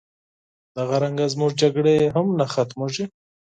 همداسې زمونږ جګړې هم نه ختميږي